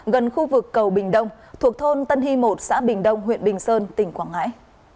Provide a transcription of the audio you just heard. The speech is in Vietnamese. gần khu vực cầu bình đông thuộc thôn tân hy một xã bình đông huyện bình sơn tỉnh quảng ngãi